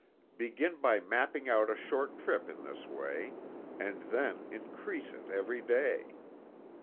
Begin by mapping out a short trip in this way, and then increase it every day.